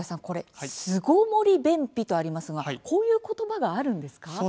これ、巣ごもり便秘とありますがこういうことばがあるんですか。